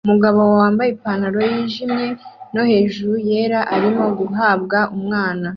Umugore wambaye ipantaro yijimye no hejuru yera arimo guhabwa umwana